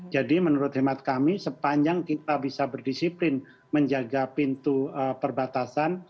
jadi menurut khidmat kami sepanjang kita bisa berdisiplin menjaga pintu perbatasan